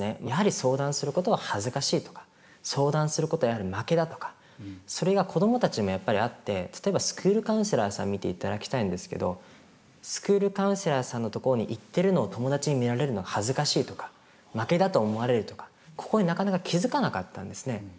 やはり相談することは恥ずかしいとか相談することは負けだとかそれが子どもたちにもやっぱりあって例えばスクールカウンセラーさん見ていただきたいんですけどスクールカウンセラーさんのところに行ってるのを友達に見られるのが恥ずかしいとか負けだと思われるとかここになかなか気付かなかったんですね。